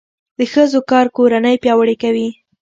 د ښځو کار کورنۍ پیاوړې کوي.